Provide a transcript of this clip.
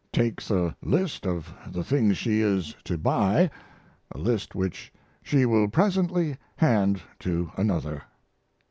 (Takes a list of the things she is to buy a list which she will presently hand to another.)